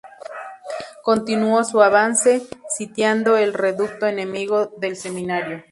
Continuó su avance, sitiando el reducto enemigo del Seminario.